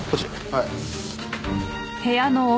はい。